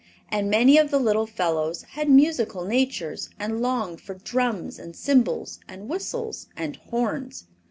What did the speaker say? And many of the little fellows had musical natures, and longed for drums and cymbals and whistles and horns.